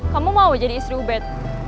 kamu mau jadi istri ubed